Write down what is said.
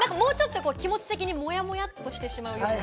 気持ち的にモヤモヤっとしてしまう。